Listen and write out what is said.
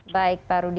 baik pak rudy